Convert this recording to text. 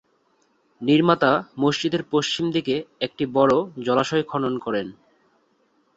নির্মাতা মসজিদের পশ্চিম দিকে একটি বড় জলাশয় খনন করেন।